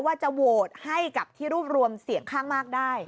ว่าจะโหวตให้กับที่รวบรวมเสียงข้างมากได้